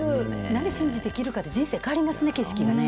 何を信じて生きるかで、人生変わりますね、景色がね。